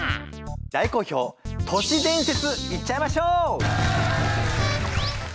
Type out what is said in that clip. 大好評年伝説いっちゃいましょう！